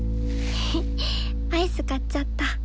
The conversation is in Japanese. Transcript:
ヘヘアイス買っちゃった。